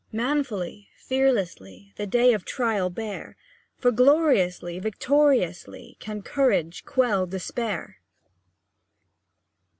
Manfully, fearlessly, The day of trial bear, For gloriously, victoriously, Can courage quell despair!